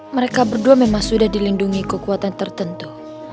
mereka berdua memang sudah dilindungi kekuatan tertentu